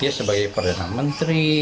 dia sebagai perdana menteri